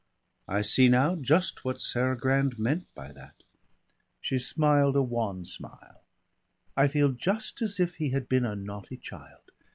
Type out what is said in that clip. I see now just what Sarah Grand meant by that." She smiled a wan smile. "I feel just as if he had been a naughty child.